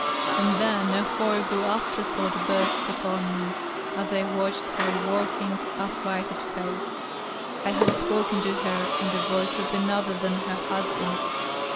And then a horrible after thought burst upon me as I watched her working, affrighted face : I had spoken to her in the voice of another than her husband.